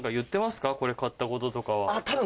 これ買ったこととかは。